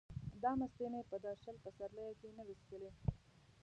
دا مستې مې په دا شل پسرلیه کې نه وې څښلې.